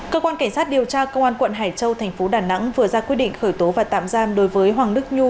cơ quan cảnh sát điều tra công an quận hải châu thành phố đà nẵng vừa ra quyết định khởi tố và tạm giam đối với hoàng đức nhu